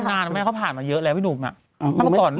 ตอนก่อนอย่าเต็มอิ่ม